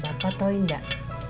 bapak tau nggak